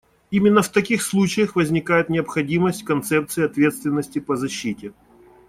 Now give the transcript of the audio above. Именно в таких случаях возникает необходимость в концепции ответственности по защите.